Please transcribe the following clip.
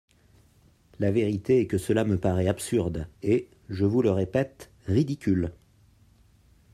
La vérité est que cela me paraît absurde, et, je vous le répète, ridicule...